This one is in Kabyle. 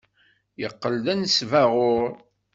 Yeqqel d anesbaɣur.